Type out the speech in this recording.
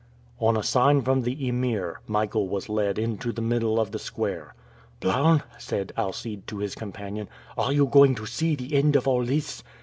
On a sign from the Emir, Michael was led into the middle of the square. "Blount," said Alcide to his companion, "are you going to see the end of all this?"